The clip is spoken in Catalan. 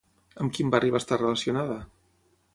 Amb quin barri va estar relacionada?